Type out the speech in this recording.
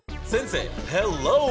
先生！